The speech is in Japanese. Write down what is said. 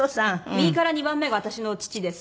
右から２番目が私の父です。